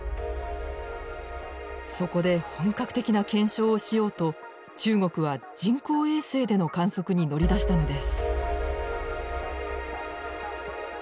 そこで本格的な検証をしようと中国は人工衛星での観測に乗り出したのです。